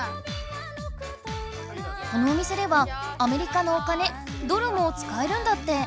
このお店ではアメリカのお金ドルも使えるんだって。